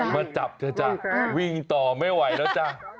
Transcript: มาจับเถอะจ้ะวิ่งต่อไม่ไหวแล้วจ้ะ